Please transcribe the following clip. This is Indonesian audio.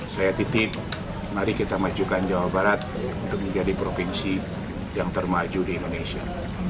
saya titip mari kita majukan jawa barat untuk menjadi provinsi yang termaju di indonesia